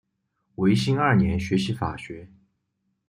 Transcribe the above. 维新二年学习法学。